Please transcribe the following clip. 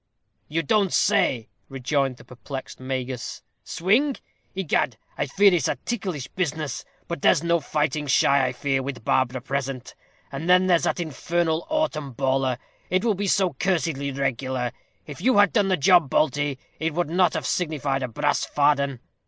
"You don't say," rejoined the perplexed Magus, "swing! Egad I fear it's a ticklish business. But there's no fighting shy, I fear, with Barbara present; and then there's that infernal autem bawler; it will be so cursedly regular. If you had done the job, Balty, it would not have signified a brass farden.